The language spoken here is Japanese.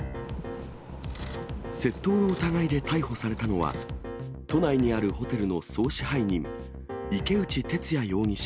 窃盗の疑いで逮捕されたのは、都内にあるホテルの総支配人、池内徹也容疑者